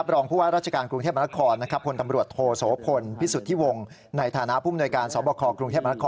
ไม่มีกิจกรรมอะไรทำเลยพี่ใจกะลี